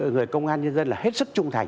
người công an nhân dân là hết sức trung thành